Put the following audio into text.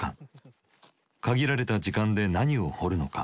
限られた時間で何を掘るのか。